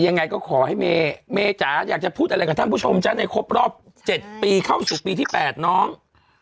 ยังไงก็ขอให้เมย์จ๋าอยากจะพูดอะไรกับท่านผู้ชมจ๊ะในครบรอบ๗ปีเข้าสู่ปีที่๘น้อง